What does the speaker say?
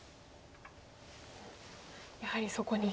やはりそこに。